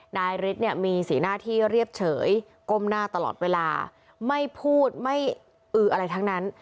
นายฤทธิ์เนี่ยมีสีหน้าที่เรียบเฉยก้มหน้าตลอดเวลาไม่พูดไม่อืออะไรทั้งนั้น